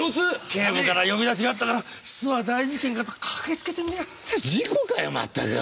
警部から呼び出しがあったからすわ大事件かと駆けつけてみりゃ事故かよまったくよ！